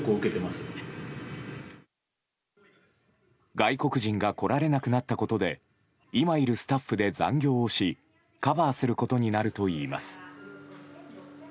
外国人が来られなくなったことで今いるスタッフで残業をしカバーすることになるといいます。